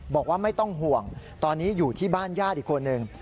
บอกว่าไม่ต้องห่วงตอนนี้อยู่ที่บ้านญาติอีกคนหนึ่ง